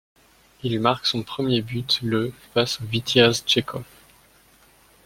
Il marque son premier but le face au Vitiaz Tchekhov.